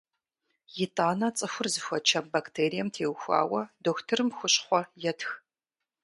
Итӏанэ цӏыхур зыхуэчэм бактерием теухуауэ дохутырым хущхъуэ етх.